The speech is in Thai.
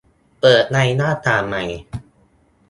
เปิดในหน้าต่างใหม่